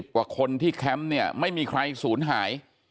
กว่าคนที่แคมป์เนี่ยไม่มีใครสูญหาย